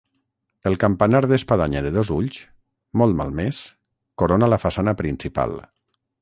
El campanar d'espadanya de dos ulls, molt malmès, corona la façana principal.